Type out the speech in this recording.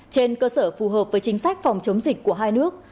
trên cơ sở phù hợp với chính sách phòng chống dịch của hai nước